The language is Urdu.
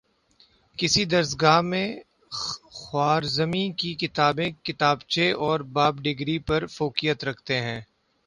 کسی درسگاہ میں خوارزمی کی کتابیں کتابچے اور باب ڈگری پر فوقیت رکھتے ہیں